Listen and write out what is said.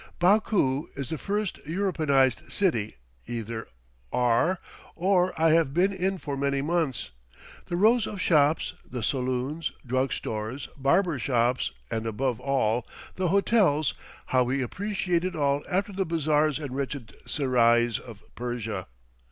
Baku is the first Europeanized city either R or I have been in for many months; the rows of shops, the saloons, drug stores, barber shops, and, above all, the hotels how we appreciate it all after the bazaars and wretched serais of Persia!